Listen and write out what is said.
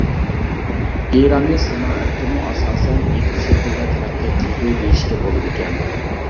ئىراننى سانائەتتىمۇ ئاساسەن يېپىق شەكىلدە تەرەققىي قىلدى دېيىشكە بولىدىكەن.